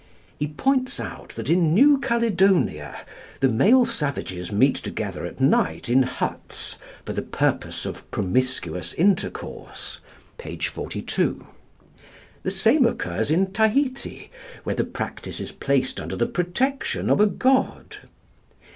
He points out that in New Caledonia the male savages meet together at night in huts for the purpose of promiscuous intercourse (p. 42). The same occurs in Tahiti, where the practice is placed under the protection of a god.